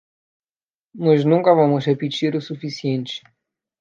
Nós nunca vamos repetir o suficiente.